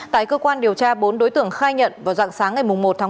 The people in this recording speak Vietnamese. tại cơ quan điều tra bốn đối tượng khai nhận vào dặng sáng ngày một một